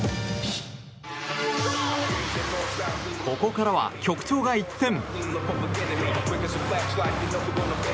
ここからは、曲調が一転。